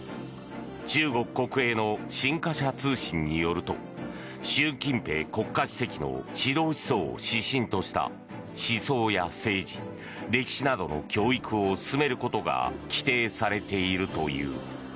中国国営の新華社通信によると習近平国家主席の指導思想を指針とした思想や政治、歴史などの教育を進めることが規定されているという。